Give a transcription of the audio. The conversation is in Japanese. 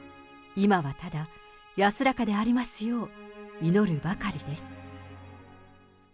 今はただ、安らかでありますよう祈るばかりです。